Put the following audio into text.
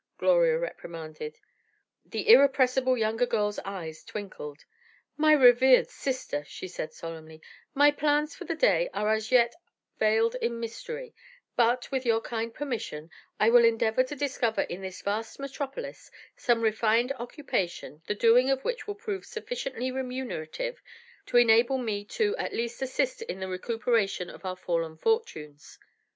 Gloria reprimanded. The irrepressible younger girl's eyes twinkled. "My revered sister," she said, solemnly, "my plans for the day are as yet veiled in mystery, but, with your kind permission, I will endeavor to discover in this vast metropolis some refined occupation, the doing of which will prove sufficiently remunerative to enable me to at least assist in the recuperation of our fallen fortunes."